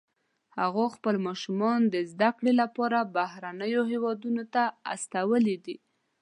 هغوی خپل ماشومان د زده کړې لپاره بهرنیو هیوادونو ته استولي دي